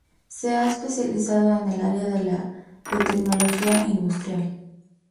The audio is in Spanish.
Se ha especializado en el área de la biotecnología industrial.